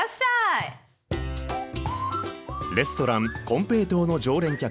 レストランこんぺいとうの常連客